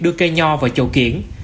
đưa cây nho vào chậu kiện